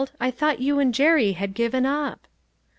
I thought you and Jerry had given up."